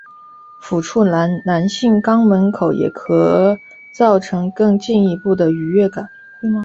抚触男性肛门口也可造成更进一步的愉悦感。